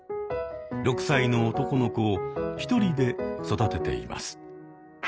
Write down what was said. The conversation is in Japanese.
６歳の男の子を１人で育てています。